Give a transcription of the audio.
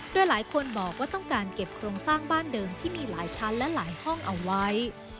โดยหลายคนบอกว่าต้องการเก็บโครงสร้างบ้านเดิมที่มีหลายชั้นและหลายห้องเอาไว้